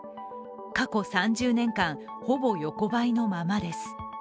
過去３０年間ほぼ横ばいのままです。